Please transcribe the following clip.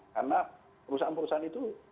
karena perusahaan perusahaan itu